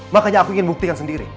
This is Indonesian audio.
makanya aku ingin buktikan sendiri